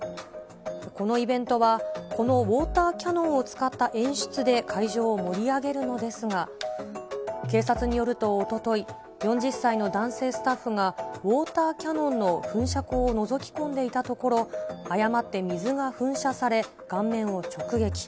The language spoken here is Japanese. このイベントは、このウオーターキャノンを使った演出で会場を盛り上げるのですが、警察によるとおととい、４０歳の男性スタッフが、ウオーターキャノンの噴射口をのぞき込んでいたところ、誤って水が噴射され、顔面を直撃。